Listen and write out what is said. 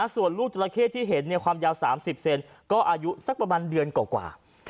ส่วนลูกจราเข้ที่เห็นความยาว๓๐เซนก็อายุสักประมาณเดือนกว่า